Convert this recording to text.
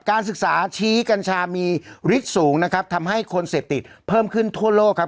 การศึกษาชี้กัญชามีฤทธิ์สูงนะครับทำให้คนเสพติดเพิ่มขึ้นทั่วโลกครับ